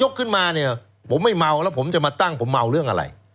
ขึ้นมาเนี่ยผมไม่เมาแล้วผมจะมาตั้งผมเมาเรื่องอะไร